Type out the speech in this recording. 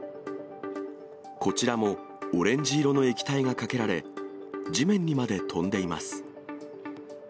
こちらもオレンジ色の液体がかけられ、地面にまで飛んでいます。